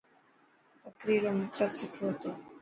تقرير رو مقصد سٺو هتو.